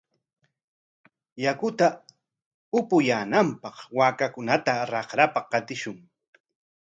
Yakuta apuyaananpaq waakakunata raqrapa qatishun.